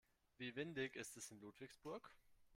Wie windig ist es in Ludwigsburg?